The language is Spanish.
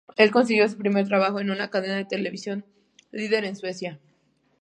Él consiguió su primer trabajo en una cadena de televisión líder en Suecia.